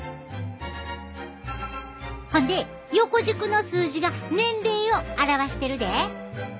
ほんで横軸の数字が年齢を表してるで。